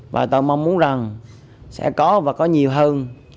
và tôi mong muốn rằng sẽ có và có nhiều hơn